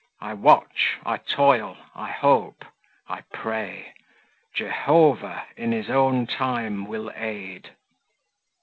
I watch, I toil, I hope, I pray; Jehovah, in his own time, will aid."